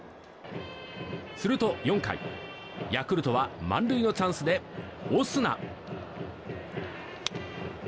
すると４回、ヤクルトは満塁のチャンスでオスナ。